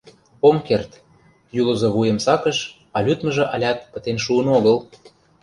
Ом керт... — юлызо вуйым сакыш, а лӱдмыжӧ алят пытен шуын огыл.